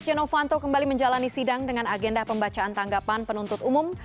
setia novanto kembali menjalani sidang dengan agenda pembacaan tanggapan penuntut umum